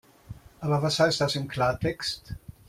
Aber was heißt das im Klartext?